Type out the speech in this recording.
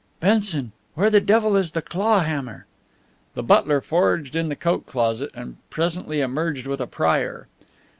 "Benson, where the devil is the claw hammer?" The butler foraged in the coat closet and presently emerged with a prier.